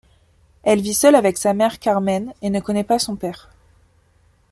Elle vit seule avec sa mère Carmen et ne connaît pas son père.